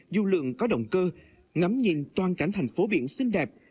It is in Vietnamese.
dù lượng có động cơ ngắm nhìn toàn cảnh thành phố biển xinh đẹp